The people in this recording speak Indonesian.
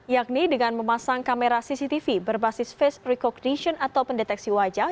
yakni dengan memasang kamera cctv berbasis face recognition atau pendeteksi wajah